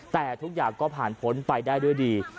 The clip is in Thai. แต่ทุกอย่างก็ผ่านพ้นไปได้ด้วยดี